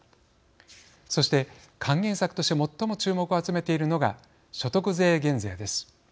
そして、還元策として最も注目を集めているのが所得税減税です。